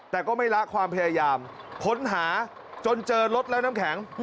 แต่ก็ไม่ละความพยายามค้นหาจนเจอรถแล้วน้ำแข็ง